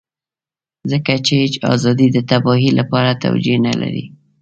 ځکه چې هېڅ ازادي د تباهۍ لپاره توجيه نه لري.